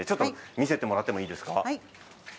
見せてもらってもいいですか。